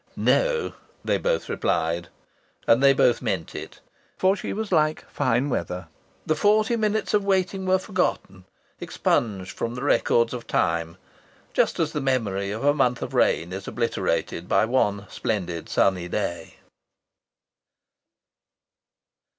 "No," they both replied. And they both meant it. For she was like fine weather. The forty minutes of waiting were forgotten, expunged from the records of time just as the memory of a month of rain is obliterated by one splendid sunny day.